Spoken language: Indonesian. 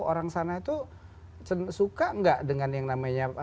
orang sana tuh suka gak dengan yang namanya